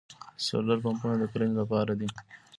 سولر پمپونه د کرنې لپاره دي.